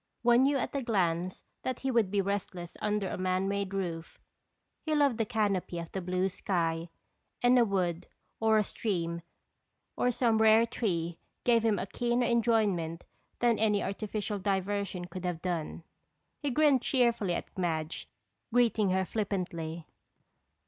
One knew at a glance that he would be restless under a man made roof. He loved the canopy of the blue sky, and a wood or a stream or some rare tree gave him a keener enjoyment than any artificial diversion could have done. He grinned cheerfully at Madge, greeting her flippantly.